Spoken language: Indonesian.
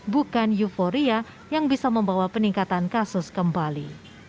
bukan euforia yang bisa membawa peningkatan kasus kembali